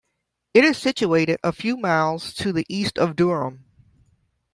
It is situated a few miles to the east of Durham.